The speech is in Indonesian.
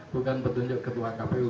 bukan petunjuk ketua kpu